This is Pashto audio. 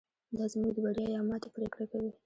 دا زموږ د بریا یا ماتې پرېکړه کوي.